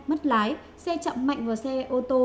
mất lái xe chậm mạnh vào xe ô tô